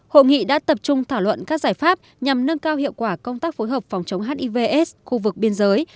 hội nghị đã tập trung thảo luận các giải pháp nhằm nâng cao hiệu quả công tác phối hợp phòng chống hiv aids khu vực biên giới